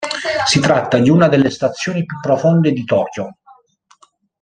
Si tratta di una delle stazioni più profonde di Tokyo.